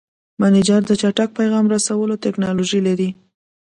مسېنجر د چټک پیغام رسولو ټکنالوژي لري.